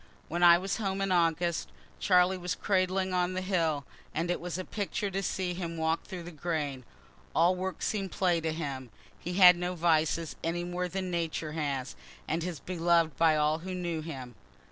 When I was home in August, Charlie was cradling on the hill, and it was a picture to see him walk through the grain. All work seem'd play to him. He had no vices, any more than Nature has, and was belov'd by all who knew him.